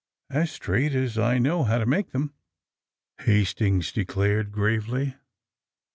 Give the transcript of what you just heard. *'As straight as I know how to make them," Hastings declared gravely.